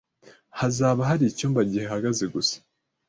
Hazaba hari icyumba gihagaze gusa.